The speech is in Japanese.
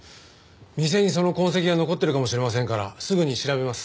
店にその痕跡が残ってるかもしれませんからすぐに調べます。